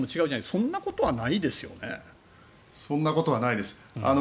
そんなことはないです。